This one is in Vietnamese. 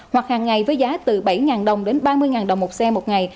hoặc hàng ngày với giá từ bảy đồng đến ba mươi đồng một xe một ngày